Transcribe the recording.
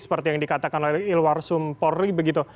seperti yang dikatakan oleh ilwar sumpori begitu